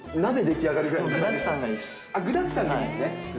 ああ、具だくさんがいいんですね。